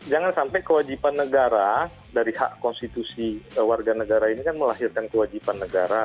jangan sampai kewajiban negara dari hak konstitusi warga negara ini kan melahirkan kewajiban negara